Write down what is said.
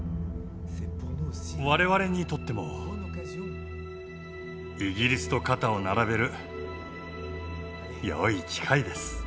我々にとってもイギリスと肩を並べるよい機会です。